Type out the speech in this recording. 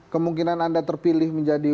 kemungkinan anda terpilih menjadi